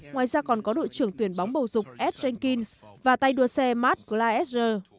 ngoài ra còn có đội trưởng tuyển bóng bầu dục ed jenkins và tay đua xe matt glaeser